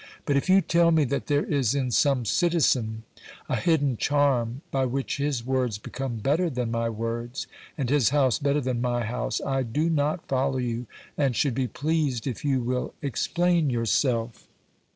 But if you tell me that there is in some citizen a hidden charm by which his words become better than my words, and his house better than my house, I do not follow you, and should be pleased if you will explain yourself."